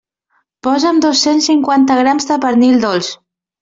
Posa'm dos-cents cinquanta grams de pernil dolç.